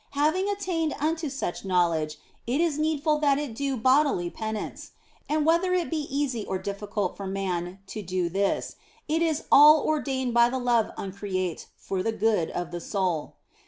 Having attained unto such knowledge, it is needful that it do bodily penance ; and whether it be easy or difficult for man to do this, it is all ordained by the love uncreate for the good of the soul.